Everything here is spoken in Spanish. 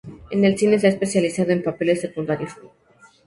En el cine, se ha especializado en papeles secundarios.